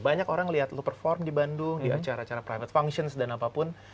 banyak orang lihat lo perform di bandung di acara acara private functions dan apapun